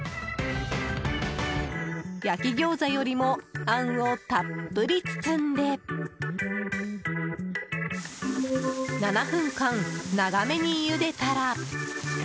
焼き餃子よりもあんをたっぷり包んで７分間、長めにゆでたら。